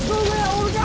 おるか！？